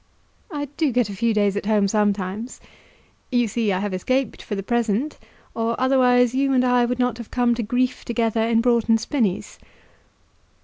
"I do get a few days at home sometimes. You see I have escaped for the present, or otherwise you and I would not have come to grief together in Broughton Spinnies."